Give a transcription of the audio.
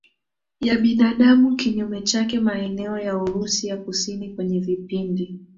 ya binadamu Kinyume chake maeneo ya Urusi ya kusini kwenye vipindi